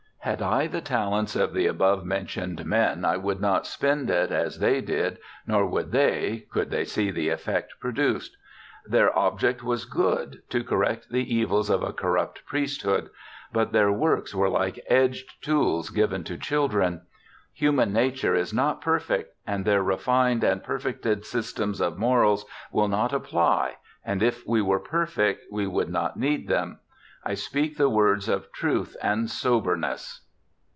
' Had I the talents of the above mentioned men I would not spend it as they did, nor would they, could they see the effect produced. Their object was good— to correct the evils of a corrupt priesthood— but their works were like edged tools given to children. Human nature is not perfect, and their refined and perfected s^'stems of morals will not apply, and if we were perfect we would not need them. 1 speak the words of truth and sober ness.'